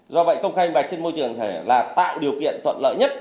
do vậy công khai minh bạch trên môi trường điện tử là tạo điều kiện toàn lợi nhất